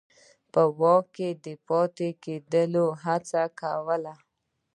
په واک کې د پاتې کېدو هڅه کوله.